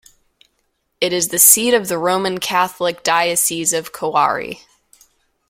It is the seat of the Roman Catholic Diocese of Coari.